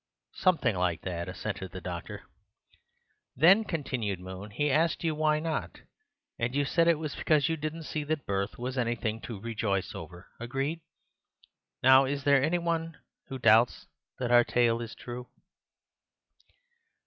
"Something like that," assented the doctor. "Then," continued Moon, "he asked you why not, and you said it was because you didn't see that birth was anything to rejoice over. Agreed? Now is there any one who doubts that our tale is true?"